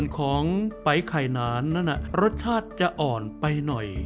ของไปไข่นานนั้นรสชาติจะอ่อนไปหน่อย